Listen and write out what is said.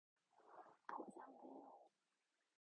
복잡해요.